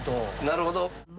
なるほど。